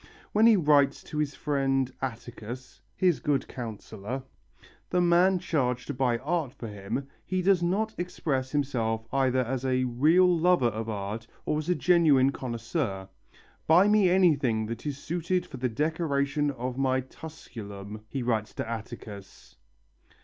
When he writes to his friend Atticus, his good counsellor, the man charged to buy art for him, he does not express himself either as a real lover of art or a genuine connoisseur. "Buy me anything that is suited for the decoration of my Tusculum," he writes to Atticus.